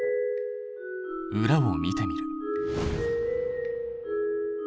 裏を見てみる。